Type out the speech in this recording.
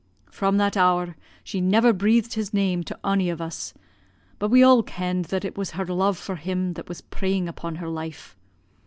"From that hour she never breathed his name to ony of us; but we all ken'd that it was her love for him that was preying upon her life.